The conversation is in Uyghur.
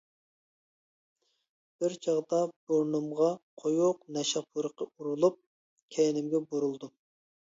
بىر چاغدا بۇرنۇمغا قويۇق نەشە پۇرىقى ئۇرۇلۇپ كەينىمگە بۇرۇلدۇم.